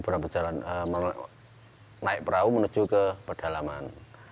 pernah berjalan naik perahu menuju ke pedalaman